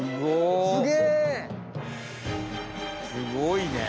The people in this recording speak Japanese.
すごいね。